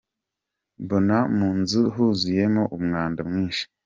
Mbona mu nzu huzuyemo umwanda mwinshi.